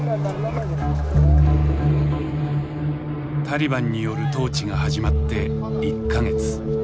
タリバンによる統治が始まって１か月。